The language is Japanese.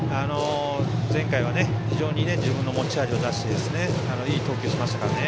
前回は、非常に自分の持ち味を出していい投球をしましたからね。